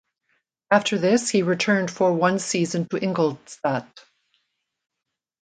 After this he returned for one season to Ingolstadt.